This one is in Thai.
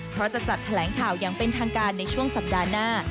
เพราะจะจัดแถลงข่าวอย่างเป็นทางการในช่วงสัปดาห์หน้า